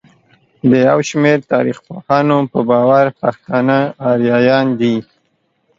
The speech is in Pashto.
د يوشمېر تاريخپوهانو په باور پښتانه اريايان دي.